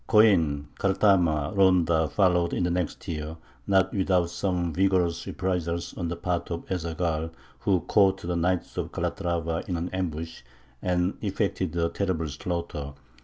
Coin, Cartama, Ronda, followed in the next year, not without some vigorous reprisals on the part of Ez Zaghal, who caught the knights of Calatrava in an ambush, and effected a terrible slaughter.